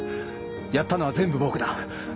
やったのは全部僕だ！